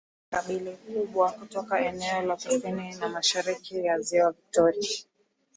Wasukuma ni kabila kubwa kutoka eneo la kusini na mashariki ya Ziwa Viktoria